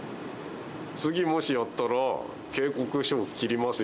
次、もしやったら、警告書を切ります